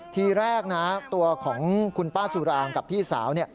ทีแรกนะตัวของคุณป้าสุรางกับพี่สาว